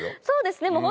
そうですね